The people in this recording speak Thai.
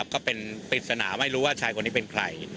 ก็เป็นปริศนาไม่รู้ว่าชายคนนี้เป็นใคร